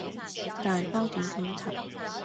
大哥點點頭。